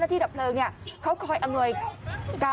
โรดเจ้าเจ้าเจ้าเจ้าเจ้าเจ้าเจ้าเจ้าเจ้า